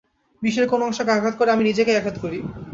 বিশ্বের কোন অংশকে আঘাত করে আমি নিজেকেই আঘাত করি।